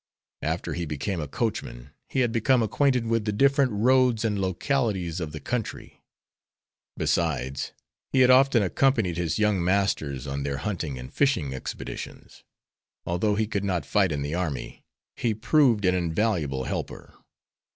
After he became a coachman, he had become acquainted with the different roads and localities of the country. Besides, he had often accompanied his young masters on their hunting and fishing expeditions. Although he could not fight in the army, he proved an invaluable helper.